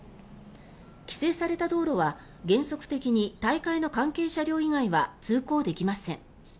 規制された道路は原則的に大会の関係車両以外は通行できません。